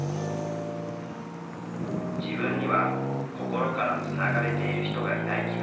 自分には心からつながれている人がいない気がする。